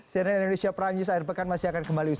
sini indonesia prime news akhir pekan masih akan kembali